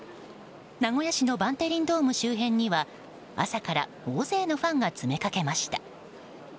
名古屋市のバンテリンドーム周辺には朝から大勢のファンが詰めかけました。